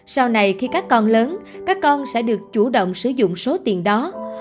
sau này khi các con lớn các con sẽ được chủ động sử dụng số tiền đó